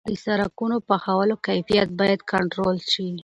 د سرکونو د پخولو کیفیت باید کنټرول شي.